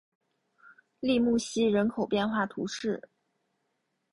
利穆西人口变化图示